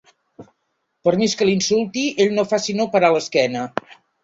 Per més que l'insulti, ell no fa sinó parar l'esquena.